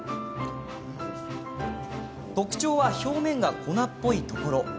特徴は表面が粉っぽいところ。